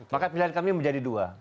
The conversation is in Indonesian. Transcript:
maka pilihan kami menjadi dua